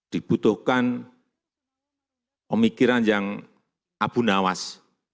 dibutuhkan pemikiran yang abunawas